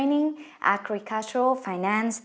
mình rất hài lòng về